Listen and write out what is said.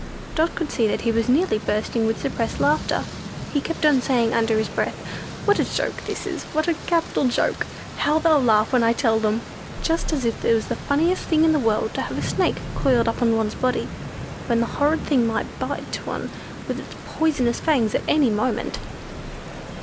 Dot could see that he was nearly bursting with suppressed laughter. He kept on saying, under his breath, "what a joke this is! What a capital joke! How they'll all laugh when I tell them." Just as if it was the funniest thing in the world to have a Snake coiled up on one's body—when the horrid thing might bite one with its poisonous fangs, at any moment!